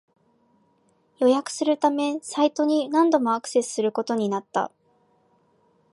予約するためサイトに何度もアクセスすることになった